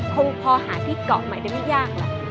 คงพอหาที่เกาะใหม่ได้ไม่ยากหรอก